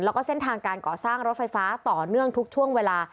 แล้วก็เส้นทางการก่อสร้างรถไฟฟ้าต่อเนื่องทุกช่วงเวลา